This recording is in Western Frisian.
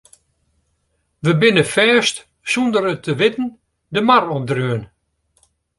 We binne fêst sûnder it te witten de mar opdreaun.